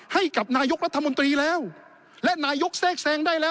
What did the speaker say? ให้กับนายกรัฐมนตรีแล้วและนายกแทรกแทรงได้แล้ว